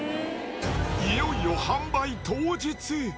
いよいよ販売当日。